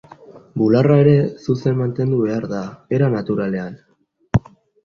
Bularra ere zuzen mantendu behar da, era naturalean.